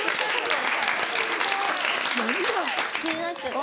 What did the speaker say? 気になっちゃって。